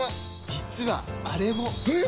実はあれも！え！？